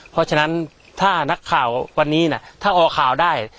เพราะฉะนั้นถ้านักข่าววันนี้ถ้าออกข่าวได้